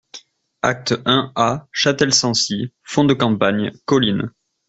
Acte un A Châtel-Sancy Fond de campagne, collines.